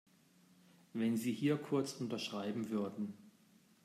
Wenn Sie hier kurz unterschreiben würden.